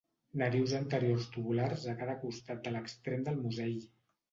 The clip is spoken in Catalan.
Narius anteriors tubulars a cada costat de l'extrem del musell.